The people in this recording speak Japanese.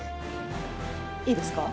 いいですか？